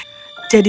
jadi dia memutuskan